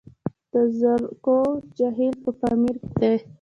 د زرکول جهیل په پامیر کې دی